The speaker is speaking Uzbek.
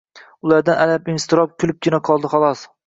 Ulardan alam-iztirob kuligina qoldi, xolos…